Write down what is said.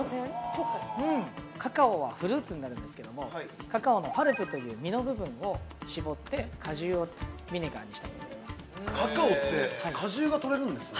ちょっとカカオはフルーツになるんですけどもカカオのパルプという実の部分を搾って果汁をビネガーにしたものになりますへえカカオって果汁がとれるんですね？